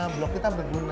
blog kita berguna